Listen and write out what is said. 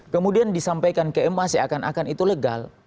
kemudian disampaikan ke ma seakan akan itu legal